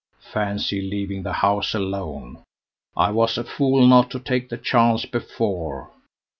Fancy leaving the house alone! I was a fool not to take the chance before."